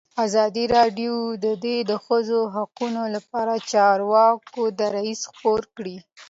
ازادي راډیو د د ښځو حقونه لپاره د چارواکو دریځ خپور کړی.